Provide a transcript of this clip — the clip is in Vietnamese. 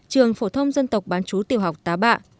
trường phổ thông dân tộc bán chú tiểu học tá bạ